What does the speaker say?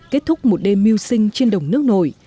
kết thúc một đêm mưu sinh trên đồng nước nổi